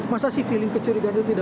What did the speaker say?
masa sih feeling kecurigaan itu tidak